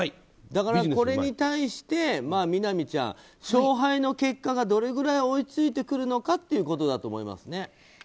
だからこれに対してみなみちゃん勝敗の結果がどれぐらい追いついてくるのかだと思います。